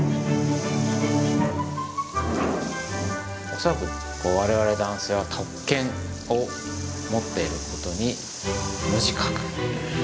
恐らくこう我々男性は「特権」を持っていることに無自覚。